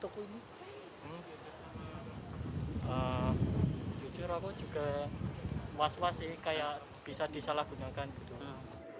jujur aku juga was was sih kayak bisa disalahgunakan gitu